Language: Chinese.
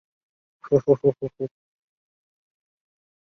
热疗是一种将人的组织加热以达到治疗的效果的治疗方式。